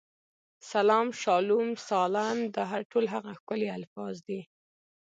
سلام، شالوم، سالم، دا ټول هغه ښکلي الفاظ دي.